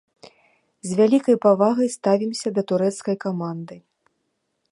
З вялікай павагай ставімся да турэцкай каманды.